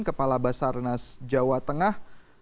kepala basarnas jawa tengah